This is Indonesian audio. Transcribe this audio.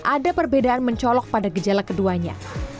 ada perbedaan mencolok pada gejala keduanya